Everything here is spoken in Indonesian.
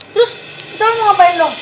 terus kita mau ngapain dong